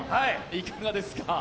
いかがですか？